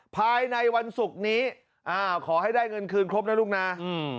ภายในวันศุกร์นี้ขอให้ได้เงินคืนครบนะลูกนะ